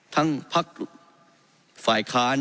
ทั้งภาคฝ่ายคาร